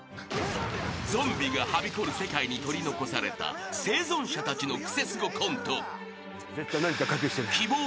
［ゾンビがはびこる世界に取り残された生存者たちのクセスゴコント］